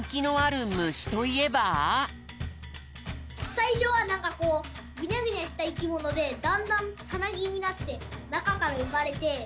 さいしょはなんかこうグニャグニャしたいきものでだんだんさなぎになってなかからうまれて。